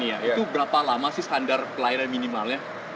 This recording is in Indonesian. iya itu berapa lama sih standar pelayanan minimalnya